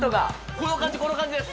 この感じ、この感じです。